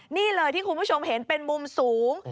นี่เลยที่คุณผู้ชมเห็นเป็นมุมสูง